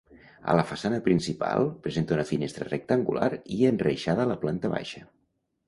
A la façana principal presenta una finestra rectangular i enreixada a la planta baixa.